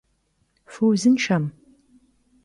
Fıuzınşşem!